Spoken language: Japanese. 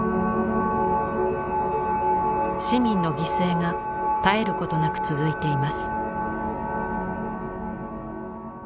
市民の犠牲が絶えることなく続いています。